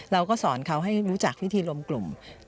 เราก็สอนเขาให้รู้จักพิธีรวมกลุ่ม